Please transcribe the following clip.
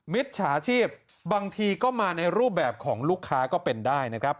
มิจฉาชีพบางทีก็มาในรูปแบบของลูกค้าก็เป็นได้นะครับ